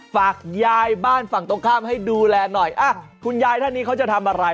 ฝากยายบ้านฝั่งตรงข้ามให้ดูแลหน่อยคุณยายท่านนี้เขาจะทำอะไร